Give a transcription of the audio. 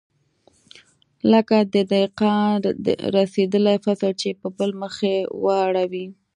لکه د دهقان رسېدلى فصل چې په بل مخ يې واړوې.